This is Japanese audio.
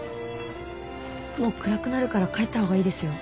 もう暗くなるから帰ったほうがいいですよ。